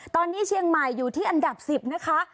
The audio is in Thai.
ตอนนี้เชียงใหม่อยู่ที่อันดับ๑๐นะคะ